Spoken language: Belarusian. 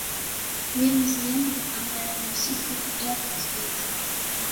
Вельмі зменлівы амаль па ўсіх прыкметах від.